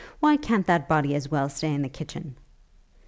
Why can't that body as well stay in the kitchen?'